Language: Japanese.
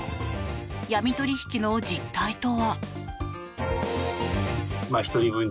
闇取引の実態とは？